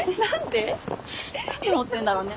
何で持ってるんだろうね？